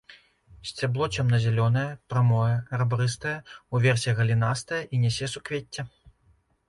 Сцябло цёмна-зялёнае, прамое, рабрыстае, уверсе галінастае і нясе суквецце.